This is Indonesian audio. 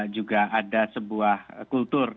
juga ada sebuah kultur